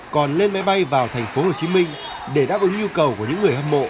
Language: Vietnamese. còn lên máy bay vàng